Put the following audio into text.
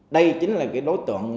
đây chính là cái đối tượng